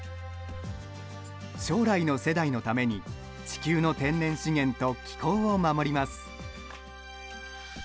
将来の世代のために地球の天然資源と気候を守ります。